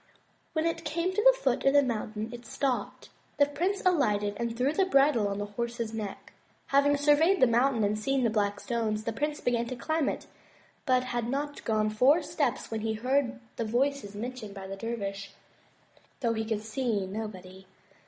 When it came to the foot of the mountain it stopped. The prince alighted and threw the bridle on his horse's neck. Having surveyed the mountain and seen the black stones, the prince began to climb it, but had not gone four steps when he heard the voices mentioned by the dervish, though he could see nobody.